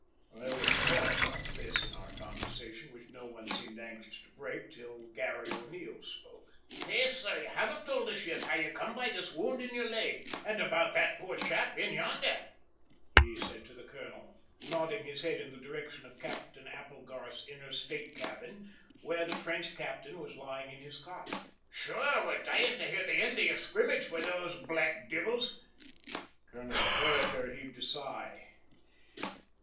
There was a pause after this in our conversation which no one seemed anxious to break till Garry O'Neil spoke. "Faith, sor, you haven't tould us yit how ye come by this wound in your leg, an' about that poor chap in yander," he said to the colonel, nodding his head in the direction of Captain Applegarth's inner state cabin, where the French captain was lying in his cot. "Sure, we're dyin' to hear the end of your scrimmage with those black divvles!" Colonel Vereker heaved a sigh.